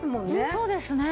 そうですね。